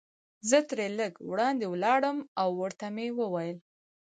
زه ترې لږ وړاندې ولاړم او ورته مې وویل.